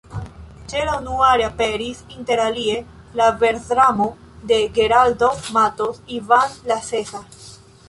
Ĉe la unua reaperis interalie la versdramo de Geraldo Mattos, Ivan la Sesa.